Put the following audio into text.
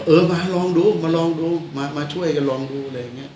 เออมามาช่วยกันลองดู